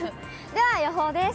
では、予報です。